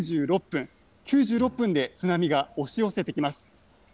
９６分で津波が押し寄せてきます。